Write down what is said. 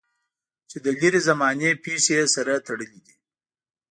چې د لرې زمانې پېښې یې سره تړلې دي.